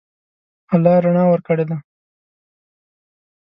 الله رڼا ورکړې ده.